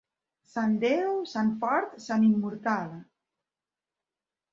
Sant Déu, sant Fort, sant Immortal.